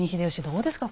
どうですか？